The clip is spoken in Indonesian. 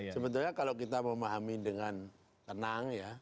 sebetulnya kalau kita memahami dengan tenang ya